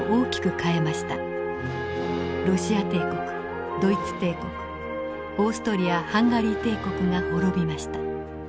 ロシア帝国ドイツ帝国オーストリア＝ハンガリー帝国が滅びました。